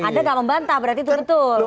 anda nggak membantah berarti itu betul